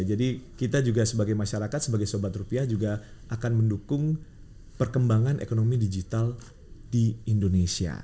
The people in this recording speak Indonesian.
jadi kita juga sebagai masyarakat sebagai sobat rupiah juga akan mendukung perkembangan ekonomi digital di indonesia